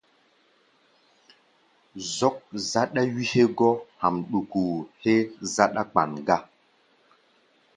Zɔ́k záɗá wí hégá hamduku héé záɗá-kpan gá.